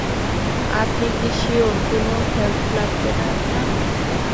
আপনি কি শিওর কোনো হেল্প লাগবে না আপনার?